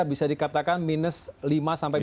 bisa dikatakan minus lima sampai dua